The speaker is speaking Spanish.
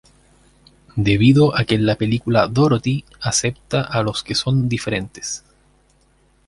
Debido a que en la película Dorothy acepta a los que son diferentes.